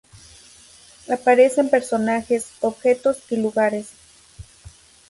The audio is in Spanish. Aparecen personajes, objetos y lugares.